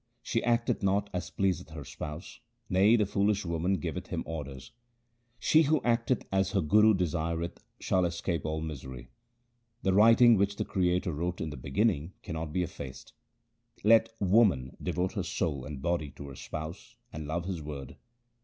She acteth not as pleaseth her Spouse, nay, the foolish woman giveth Him orders. She who acteth as her Guru desireth shall escape all misery. The writing which the Creator wrote in the beginning cannot be effaced. Let woman devote her soul and body to her Spouse and love His word.